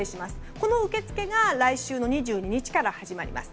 この受け付けが来週の２２日から始まります。